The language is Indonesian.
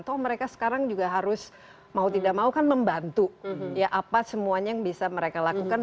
atau mereka sekarang juga harus mau tidak mau kan membantu ya apa semuanya yang bisa mereka lakukan